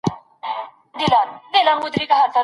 د نامعلومو موادو موندل د معلومو شیانو تر مطالعې مهم دي.